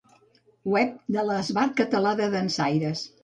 Web de l'Esbart Català de Dansaires.